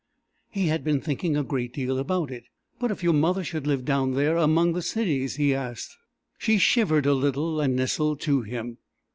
He had been thinking a great deal about it. "But if your mother should live down there among the cities?" he asked. She shivered a little, and nestled to him.